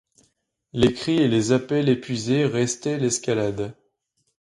Les cris et les appels épuisés, restait l’escalade.